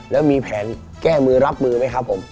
แล้วมีแผนแก้มือรับมือไหมครับผม